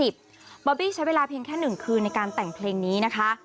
บ้าบี้ใช้เวลาเพียงแค่๑คืนในการแต่งเพลงนี้นะคะ